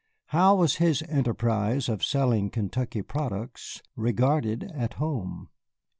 How was his enterprise of selling Kentucky products regarded at home?